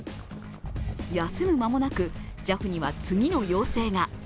休む間もなくＪＡＦには次の要請が。